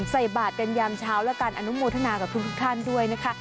ใส่บาทกันยามเช้าและการอนุโมทนากับทุกท่านด้วยนะคะ